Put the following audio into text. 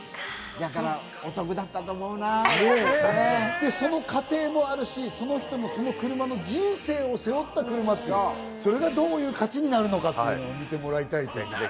お得だっその課程もあるし、その人のその車の人生を背負った車って、それがどういう価値になるのか見てもらいたいね。